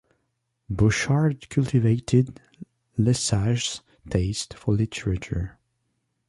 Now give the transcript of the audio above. Bochard cultivated Lesage's taste for literature.